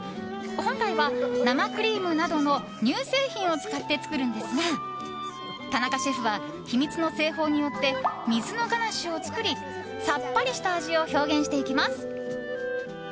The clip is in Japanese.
今回は生クリームなどの乳製品を使って作るのですが、田中シェフは秘密の製法によって水のガナッシュを作りさっぱりした味を表現していきます。